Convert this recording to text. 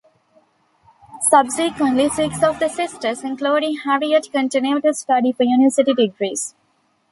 Subsequently six of the sisters including Harriette continued to study for university degrees.